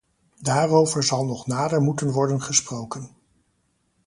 Daarover zal nog nader moeten worden gesproken.